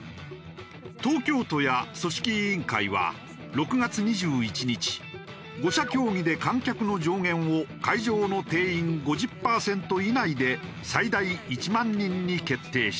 東京都や組織委員会は６月２１日５者協議で観客の上限を会場の定員５０パーセント以内で最大１万人に決定した。